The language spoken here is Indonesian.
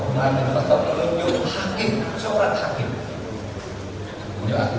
umar bin hotto menunjuk hakim seorang hakim